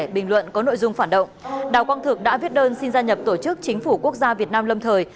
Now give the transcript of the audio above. bình luận có nội dung phản động đào quang thực đã viết đơn xin gia nhập tổ chức chính phủ quốc gia việt nam lâm thời